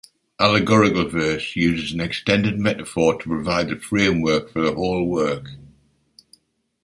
Allegorical verse uses an extended metaphor to provide the framework for the whole work.